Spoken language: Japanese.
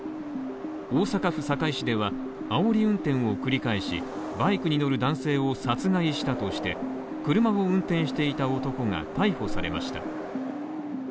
大阪府堺市ではあおり運転を繰り返し、バイクに乗る男性を殺害したとして車を運転していた男が逮捕されました。